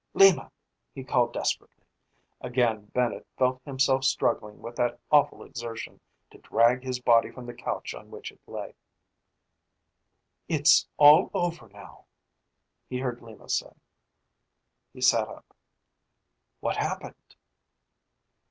"Lima!" he called desperately. Again Bennett felt himself struggling with that awful exertion to drag his body from the couch on which it lay. "It's all over now," he heard Lima say. He sat up. "What happened?"